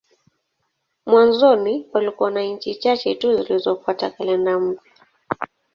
Mwanzoni palikuwa na nchi chache tu zilizofuata kalenda mpya.